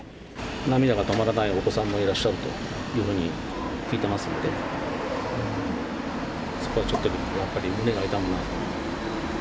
涙が止まらないお子さんもいるというふうに聞いてますので、そこはちょっとやっぱり、胸が痛むなと。